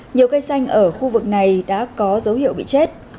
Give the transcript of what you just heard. nhiều cây xanh ở khu vực này đã có dấu hiệu bị chết